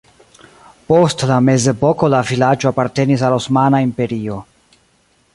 Post la mezepoko la vilaĝo apartenis al Osmana Imperio.